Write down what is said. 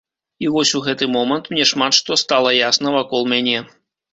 І вось у гэты момант мне шмат што стала ясна вакол мяне.